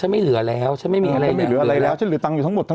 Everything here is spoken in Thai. ไม่ถ้าสมมุติจะเอาของเขา